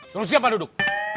suruh siapa duduk